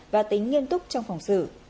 và tính nghiên túc trong phòng xử